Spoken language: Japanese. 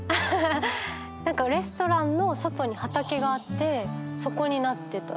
何かレストランの外に畑があってそこになってた。